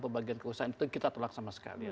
pembagian kekuasaan itu kita tolak sama sekali